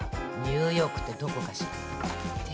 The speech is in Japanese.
ニューヨークってどこかしら？ですね。